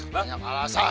banyak alasan lah